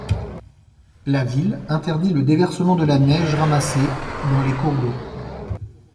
La ville interdit le déversement de la neige ramassée dans les cours d'eau.